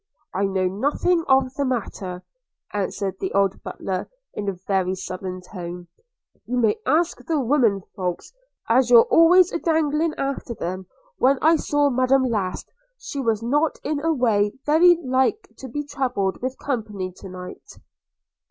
'I know nothing of the matter,' answered the old butler in a very sullen tone; 'you may ask the women folks, as you're always a dangling after them. – When I saw Madam last, she was not in a way very like to be troubled with company to night.'